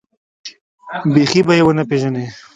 بيخي به يې ونه پېژنې.